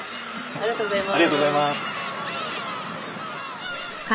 ありがとうございます。